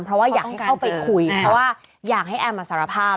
เพราะว่าอยากให้เข้าไปคุยเพราะว่าอยากให้แอมมาสารภาพ